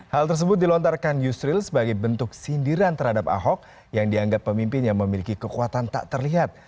hal tersebut dilontarkan yusril sebagai bentuk sindiran terhadap ahok yang dianggap pemimpin yang memiliki kekuatan tak terlihat